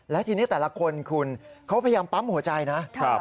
และทีนี้แต่ละคนคุณเขาพยายามปั๊มหัวใจนะ